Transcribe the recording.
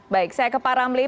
baik saya ke pak ramli